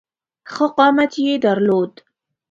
ښه قامت یې درلود.